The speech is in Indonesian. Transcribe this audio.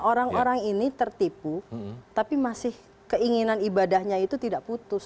orang orang ini tertipu tapi masih keinginan ibadahnya itu tidak putus